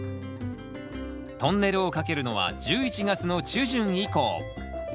トンネルをかけるのは１１月の中旬以降。